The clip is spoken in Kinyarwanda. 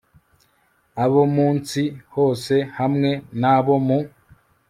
abo mu nsi hose, hamwe n'abo mu